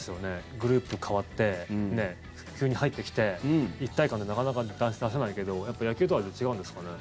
グループ変わって急に入ってきて一体感ってなかなか出せないけど野球とは違うんですかね？